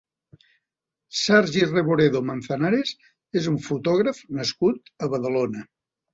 Sergi Reboredo Manzanares és un fotògraf nascut a Badalona.